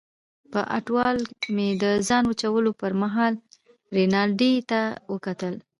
په اټوال مې د ځان وچولو پرمهال رینالډي ته وکتل.